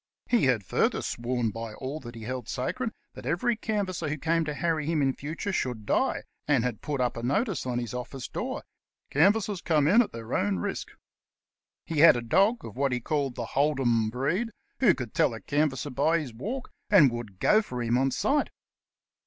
He had further sworn by all he held sacred that every canvasser who came to harry him in future should die, and had put up a notice on his office door, "Canvassers come in at their own risk." He had a dog of what he called the Hold 'em breed, who could tell a canvasser by his walk, and would go for him on sight.